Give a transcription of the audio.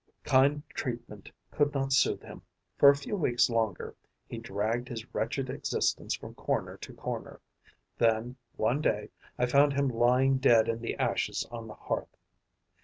Kind treatment could not soothe him. For a few weeks longer, he dragged his wretched existence from corner to corner; then, one day, I found him lying dead in the ashes on the hearth.